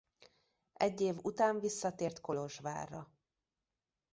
Egy év után visszatért Kolozsvárra.